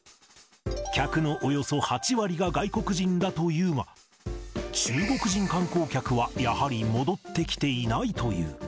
客のおよそ８割が外国人だというが、中国人観光客はやはり戻ってきていないという。